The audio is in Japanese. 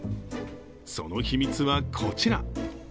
その秘密はこちら。